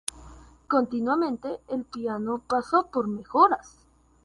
Continuamente el piano pasó por mejoras.